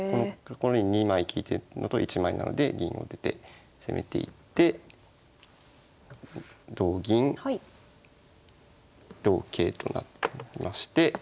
２枚利いてるのと１枚なので銀を出て攻めていって同銀同桂となりまして。